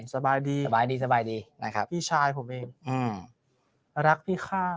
สบายดีสบายดีสบายดีนะครับพี่ชายผมเองรักพี่ข้าว